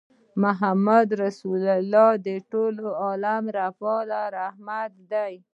محمدُ رَّسول الله د ټول عالم لپاره رحمت دی